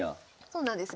そうなんです。